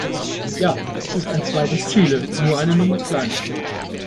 Ja, es ist ein zweites Chile, nur eine Nummer kleiner.